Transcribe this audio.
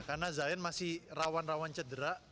karena zion masih rawan rawan cedera